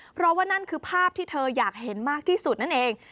เพราะว่านั่นคือภาพที่เธออยากเห็นมากที่สุดนั่นเอง